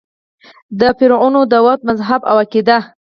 د فرعنوو د وخت مذهب او عقیده :